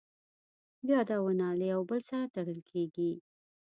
یادونه له یو بل سره تړل کېږي.